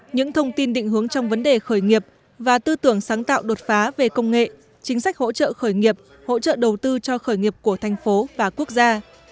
những thông tin định hướng trong vấn đề khởi nghiệp và tư tưởng sáng tạo đột phá về công nghệ chính sách hỗ trợ khởi nghiệp hỗ trợ đầu tư cho khởi nghiệp của thành phố và quốc gia